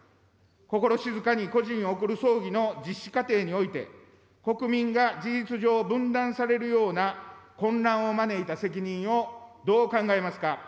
心静かに故人を送る葬儀の実施過程において、国民が事実上、分断されるような混乱を招いた責任をどう考えますか。